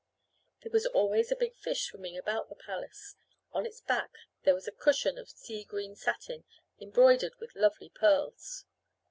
There was always a big fish swimming about the palace. On its back there was a cushion of seagreen satin embroidered with lovely pearls.